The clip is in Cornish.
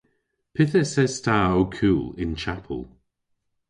Pyth eses ta ow kul y�n chapel?